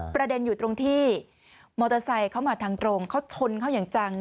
ประเด็นอยู่ตรงที่มอเตอร์ไซค์เข้ามาทางตรงเขาชนเขาอย่างจัง